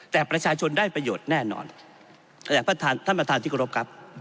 แต่ประชาชนได้ประโยชน์แน่นอนแต่ท่านประธานธิกฎพครับ